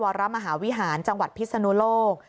วรมหาวิหารจังหวัดพิศนุโลก